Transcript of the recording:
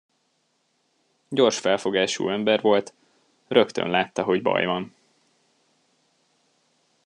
Gyors felfogású ember volt, rögtön látta, hogy baj van.